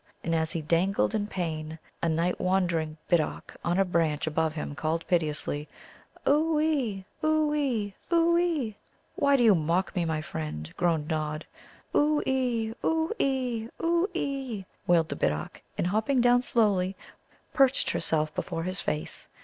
And as he dangled in pain, a night wandering Bittock on a branch above him called piteously: "Oo ee, oo ee, oo ee!" "Why do you mock me, my friend?" groaned Nod. "Oo ee, oo ee, oo ee!" wailed the Bittock, and hopping down slowly, perched herself before his face.